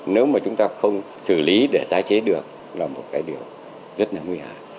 nếu mà chúng ta không xử lý để tài chế được là một cái điều rất nguy hại